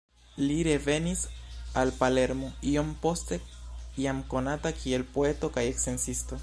Li revenis al Palermo iom poste, jam konata kiel poeto kaj sciencisto.